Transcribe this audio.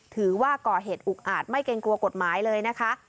ถือว่าก่อเหตุอุกอาจไม่เกรงกลัวกฎหมายเลยนะคะ